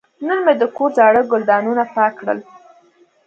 نن مې د کور زاړه ګلدانونه پاک کړل.